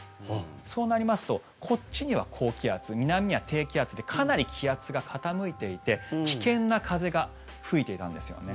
そうなりますとこっちには高気圧南には低気圧でかなり気圧が傾いていて危険な風が吹いていたんですよね。